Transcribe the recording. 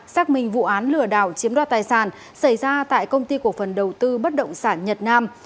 xác minh vụ án lừa đảo chiếm đoạt tài sản xảy ra tại công ty cổ phần đầu tư bất động sản nhật nam